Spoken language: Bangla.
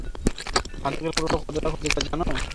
মাদকের প্রভাব কতটা ক্ষতিকর জানো?